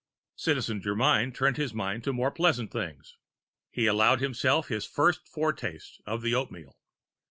Citizen Germyn turned his mind to more pleasant things. He allowed himself his First Foretaste of the oatmeal.